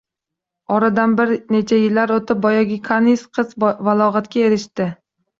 Oradan bir necha yillar o’tib, boyagi kaniz qiz balog’atga erishadi